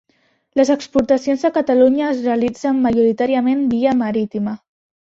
Les exportacions a Catalunya es realitzen majoritàriament via marítima